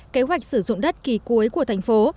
kế hoạch sử dụng đất kỳ cuối của thành phố